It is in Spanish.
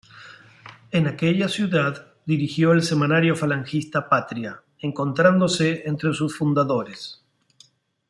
En aquella ciudad dirigió el semanario falangista "Patria", encontrándose entre sus fundadores.